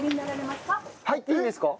入っていいんですか？